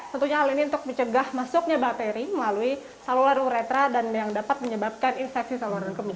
tentunya hal ini untuk mencegah masuknya bakteri melalui saluran uretra dan yang dapat menyebabkan infeksi saluran kemis